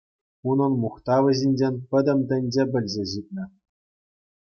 Унӑн мухтавӗ ҫинчен пӗтӗм тӗнче пӗлсе ҫитнӗ.